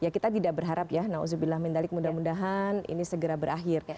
kita tidak berharap ya na'udzubillah mendalik mudah mudahan ini segera berakhir